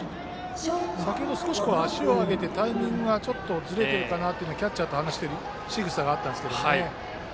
先程、少し足を上げてタイミングがちょっとずれているかなとキャッチャーと話しているしぐさがあったんですが。